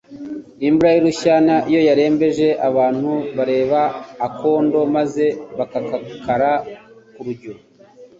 Imvura y’urushyana, iyo yarembeje abantu, bareba akondo maze bakagakara ku rujyo,